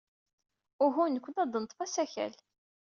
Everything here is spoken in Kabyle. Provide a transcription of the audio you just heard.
Uhu, nekkni ad neḍḍef asakal.